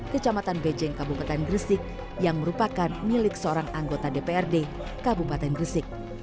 kecamatan bejeng kabupaten gresik yang merupakan milik seorang anggota dprd kabupaten gresik